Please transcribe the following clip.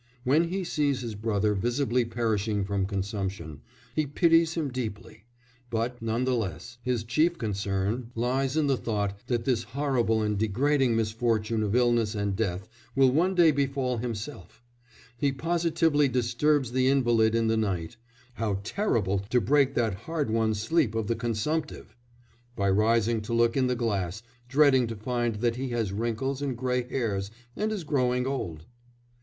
When he sees his brother visibly perishing from consumption, he pities him deeply, but, none the less, his chief concern lies in the thought that this horrible and degrading misfortune of illness and death will one day befall himself; he positively disturbs the invalid in the night (how terrible to break that hard won sleep of the consumptive!) by rising to look in the glass, dreading to find that he has wrinkles and grey hairs and is growing old.